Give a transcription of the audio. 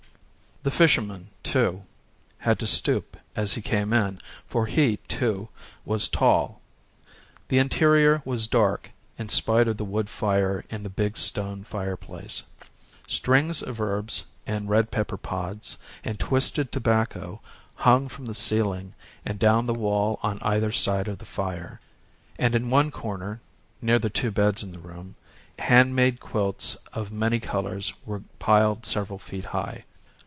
The fisherman, too, had to stoop as he came in, for he, too, was tall. The interior was dark, in spite of the wood fire in the big stone fireplace. Strings of herbs and red pepper pods and twisted tobacco hung from the ceiling and down the wall on either side of the fire; and in one corner, near the two beds in the room, hand made quilts of many colours were piled several feet high.